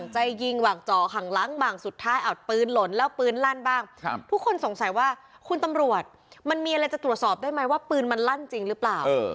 ใจยิงหวังจ่อข้างล้างบางสุดท้ายอาจปืนหล่นแล้วปืนลั่นบ้างทุกคนสงสัยว่าคุณตำรวจมันมีอะไรจะตรวจสอบได้ไหมว่าปืนมันลั่นจริงหรือเปล่า